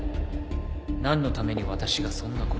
なんのために私がそんな事を？